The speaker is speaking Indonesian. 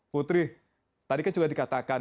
putri tadi kan sudah dikatakan